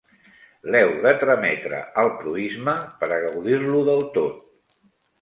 L'heu de trametre al proïsme per a gaudir-lo del tot.